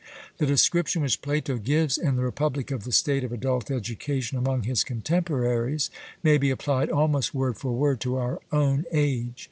The description which Plato gives in the Republic of the state of adult education among his contemporaries may be applied almost word for word to our own age.